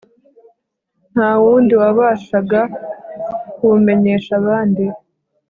nta wundi wabashaga kubumenyeshabandi